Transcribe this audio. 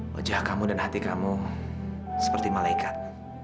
wajah kamu dan hati kamu seperti malaikat